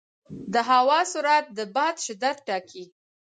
د هوا سرعت د باد شدت ټاکي.